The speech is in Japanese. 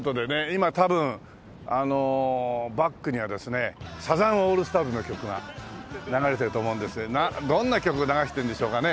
今多分バックにはですねサザンオールスターズの曲が流れてると思うんですけどどんな曲を流してんでしょうかね？